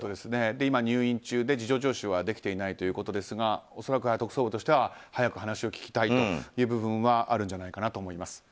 今、入院中で事情聴取はできていないということですが恐らくは特捜部としては早く話を聞きたいという部分はあるんじゃないかなと思います。